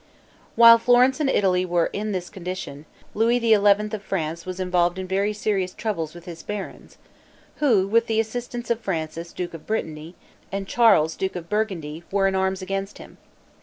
While Florence and Italy were in this condition, Louis XI. of France was involved in very serious troubles with his barons, who, with the assistance of Francis, duke of Brittany, and Charles, duke of Burgundy, were in arms against him.